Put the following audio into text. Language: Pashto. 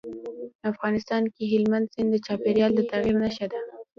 افغانستان کې هلمند سیند د چاپېریال د تغیر نښه ده.